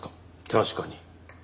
確かに。